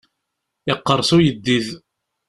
Iqqerṣ uyeddid.